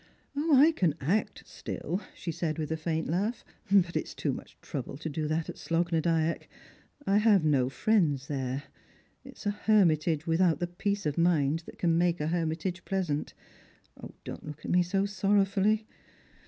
" I can act still," she said, with a faint laugh. " But it is too much trouble to do that at Slogh na Dyack. I have no friends there ; it is a hermitage, without the peace of mind that can make a hermitage pleasant. Don't look at me so sorrow fully.